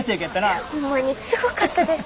ホンマにすごかったです。